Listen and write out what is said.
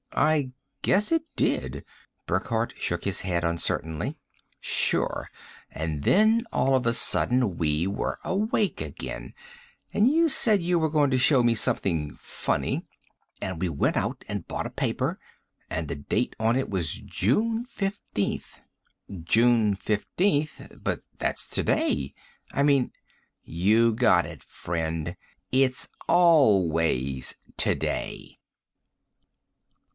"I guess it did," Burckhardt shook his head uncertainly. "Sure. And then all of a sudden we were awake again, and you said you were going to show me something funny, and we went out and bought a paper. And the date on it was June 15th." "June 15th? But that's today! I mean " "You got it, friend. It's always today!"